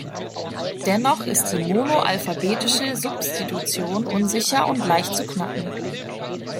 Dennoch ist die monoalphabetische Substitution unsicher und leicht zu „knacken“.